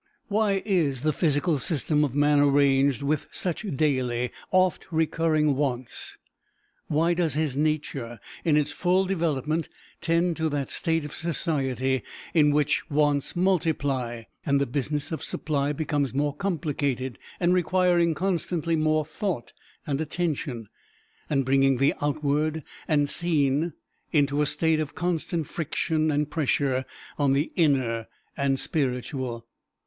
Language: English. Why is the physical system of man arranged with such daily, oft recurring wants? Why does his nature, in its full development, tend to that state of society in which wants multiply, and the business of supply becomes more complicated, and requiring constantly more thought and attention, and bringing the outward and seen into a state of constant friction and pressure on the inner and spiritual?